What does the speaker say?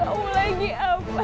ya allah lindungilah siva